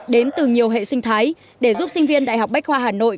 đến từ nhiều hệ sinh thái để giúp sinh viên đại học bách khoa hà nội